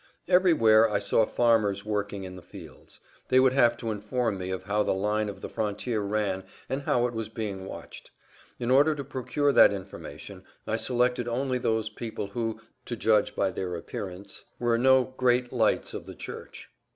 Everywhere I saw farmers working in the fields. They would have to inform me of how the line of the frontier ran and how it was being watched. In order to procure that information I selected only those people who, to judge by their appearance, were no "great lights of the church."